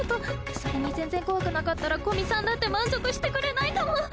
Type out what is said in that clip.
それに全然怖くなかったら古見さんだって満足してくれないかも。